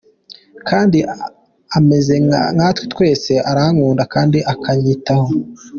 kandi ameze nkatwe twese, arankunda kandi akanyitaho, .